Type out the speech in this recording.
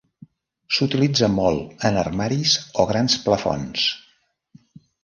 S’utilitza molt en armaris o grans plafons.